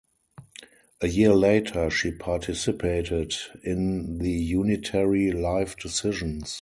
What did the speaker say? A year later she participated in the Unitary Life Decisions.